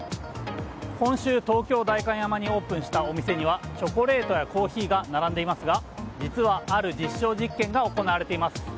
今週、東京・代官山にオープンしたお店にはチョコレートやコーヒーが並んでいますが実はある実証実験が行われています。